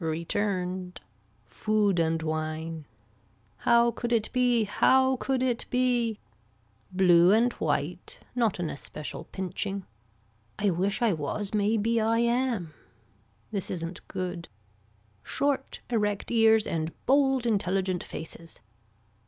Returned. Food and wine. How could it be how could it be. Blue and white, not an especial pinching. I wish I was may be I am. This isn't good. Short erect ears and bold intelligent faces.